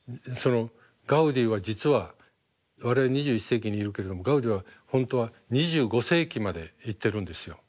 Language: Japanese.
ガウディは実は我々２１世紀にいるけれどもガウディは本当は２５世紀まで行ってるんですよ。